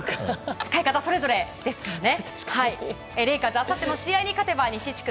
使い方はそれぞれですからね。